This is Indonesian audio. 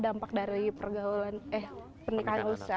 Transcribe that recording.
sehingga juga disini udah lumayan bisa menerima perkembangan anak di usia anak